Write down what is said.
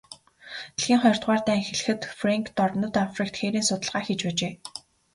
Дэлхийн хоёрдугаар дайн эхлэхэд Фрэнк дорнод Африкт хээрийн судалгаа хийж байжээ.